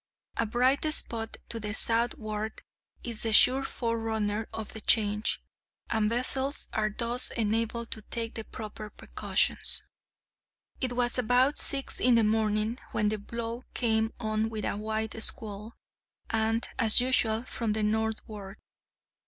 A bright spot to the southward is the sure forerunner of the change, and vessels are thus enabled to take the proper precautions. It was about six in the morning when the blow came on with a white squall, and, as usual, from the northward.